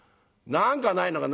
何かないのか」。